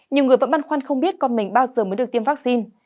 nhiều người vẫn băn khoăn không biết con mình bao giờ mới được tiêm vaccine